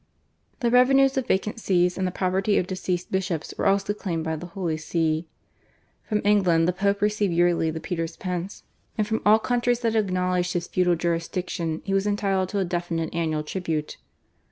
The revenues of vacant Sees and the property of deceased bishops were also claimed by the Holy See. From England the Pope received yearly the Peter's Pence, and from all countries that acknowledged his feudal jurisdiction he was entitled to a definite annual tribute.